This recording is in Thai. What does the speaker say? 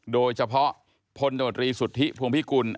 โดยเฉพาะพลโดรีสุทธิพวงพิกุล